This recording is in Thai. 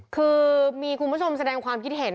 คือมีคุณผู้ชมแสดงความคิดเห็น